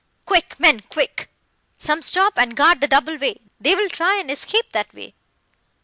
"Quick, men quick! Some stop and guard the double way. They will try and escape that way."